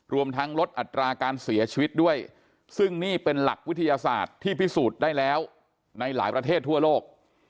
รวมทั้งลดอัตราการเสียชีวิตด้วยซึ่งนี่เป็นหลักวิทยาศาสตร์ที่พิสูจน์ได้แล้วในหลายประเทศทั่วโลก